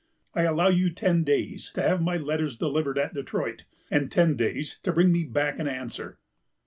I allow you ten days to have my letters delivered at Detroit, and ten days to bring me back an answer."